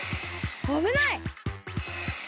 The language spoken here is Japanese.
あぶない！